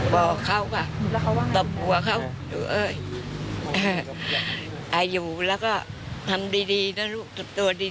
บอกเขาก่ะตบหัวเขาอยู่แล้วก็ทำดีนะลูกตบตัวดี